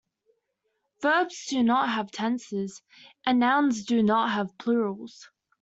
Verbs do not have tenses, and nouns do not have plurals.